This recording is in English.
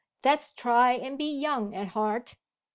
let's try and be young at heart.